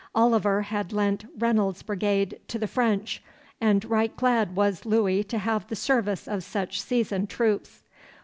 Oliver had lent Reynolds's brigade to the French, and right glad was Louis to have the service of such seasoned troops.